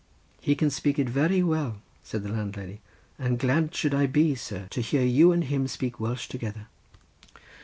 "He can speak it very well," said the landlady; "and glad should I be, sir, to hear you and him speak Welsh together."